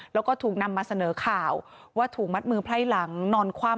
แล้วก็ถูกนำมาเสนอข่าวว่าถูกมัดมือไพร่หลังนอนคว่ำ